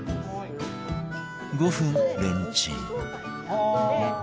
５分レンチン